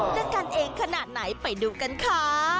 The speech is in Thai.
จะกันเองขนาดไหนไปดูกันค่ะ